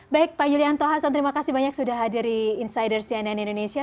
baik pak yulianto hasan terima kasih banyak sudah hadir di insider cnn indonesia